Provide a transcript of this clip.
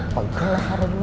pegang lah orangnya